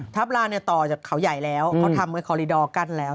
ทับลาต่อจากเขาใหญ่แล้วเขาทำไว้คอลิดอร์กั้นแล้ว